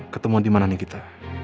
ketemu dimana nih kita